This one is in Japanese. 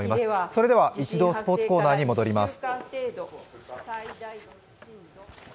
それでは一度、スポーツコーナーに戻ります。